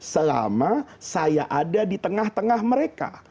selama saya ada di tengah tengah mereka